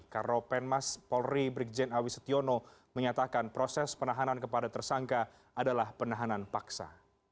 karopenmas polri brigjen awisetiono menyatakan proses penahanan kepada tersangka adalah penahanan paksa